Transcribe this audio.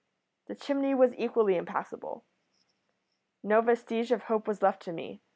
The chimney was equally impassable. No vestige of hope was left to me.